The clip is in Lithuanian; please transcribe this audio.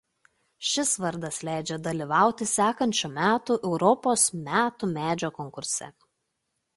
Šis vardas leidžia dalyvauti sekančių metų Europos metų medžio konkurse.